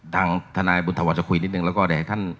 ทางทนายบุญธวัชจะคุยนิดนึงแล้วก็เดี๋ยวให้ท่าน